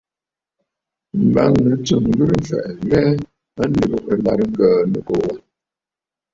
M̀bâŋnə̌ tsɨm ghɨrə mfɛ̀ʼɛ̀ ŋ̀hɛɛ a lɨ̀gə ɨlàrə Ŋgə̀ə̀ Nɨkòò wâ.